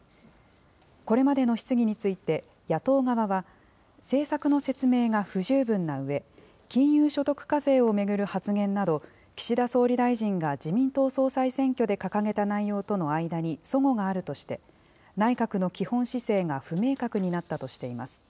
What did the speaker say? これまでの質疑について、野党側は、政策の説明が不十分なうえ、金融所得課税を巡る発言など、岸田総理大臣が自民党総裁選挙で掲げた内容との間にそごがあるとして、内閣の基本姿勢が不明確になったとしています。